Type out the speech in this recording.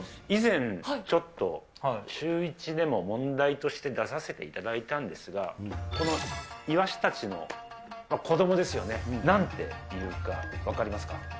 以前、ちょっと、シューイチでも問題として出させていただいたんですが、このイワシたちの子どもですよね、なんていうか、分かりますか？